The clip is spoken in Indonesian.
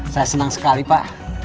saya senang sekali pak